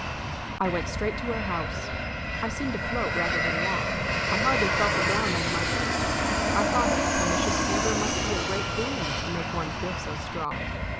I went straight to her house. I seemed to float rather than walk; I hardly felt the ground under my feet; I thought pernicious fever must be a great boon to make one feel so strong.